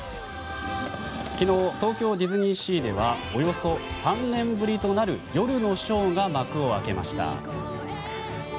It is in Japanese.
昨日、東京ディズニーシーではおよそ３年ぶりとなる夜のショーが幕を開けました。